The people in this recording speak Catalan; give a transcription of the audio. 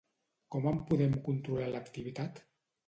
Com en podem controlar l’activitat?